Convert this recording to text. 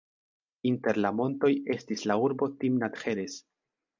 Inter la montoj estis la urbo Timnat-Ĥeres.